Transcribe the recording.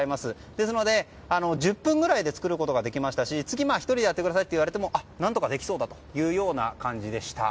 ですので、１０分ぐらいで作ることができましたし次、１人でやってくださいといわれても何とかできそうだというような感じでした。